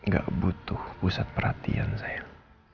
gak butuh pusat perhatian saya